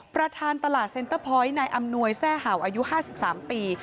ประธานตลาดเซ็นเตอร์พอยต์นายอำนวยแทร่เห่าอายุ๕๓ปี